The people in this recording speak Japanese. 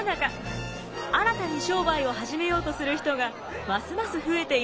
新たに商売を始めようとする人がますます増えていました。